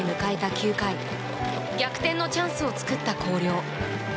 ９回逆転のチャンスを作った広陵。